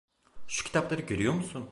Şu kitapları görüyor musun?